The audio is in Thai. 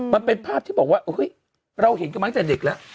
มันเป็นภาพที่บอกว่าเฮ้ยเราเห็นกันมาตั้งแต่เด็กแล้ว